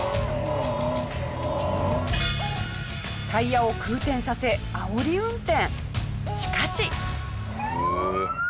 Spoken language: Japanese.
タイヤを空転させあおり運転。